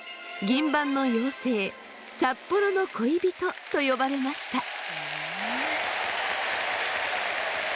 銀盤の妖精札幌の恋人と呼ばれました。